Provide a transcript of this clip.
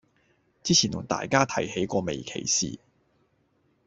之前同大家提起過微歧視